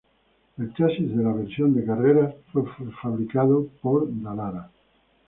El chasis de la versión de carreras fue fabricado por Dallara.